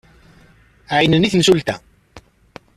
Ɛeyynen i temsulta.